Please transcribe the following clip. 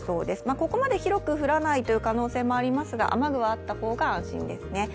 ここまで広く降らないという可能性はありますが、雨具はあった方が安心ですね。